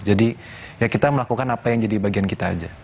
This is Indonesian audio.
jadi ya kita melakukan apa yang jadi bagian kita aja